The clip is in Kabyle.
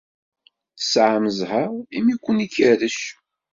Tesɛam zzheṛ imi ur ken-ikerrec.